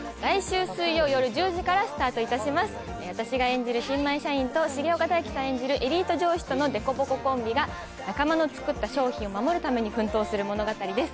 私が演じる新米社員と重岡大毅さん演じるエリート上司との凸凹コンビが仲間の作った商品を守るために奮闘する物語です。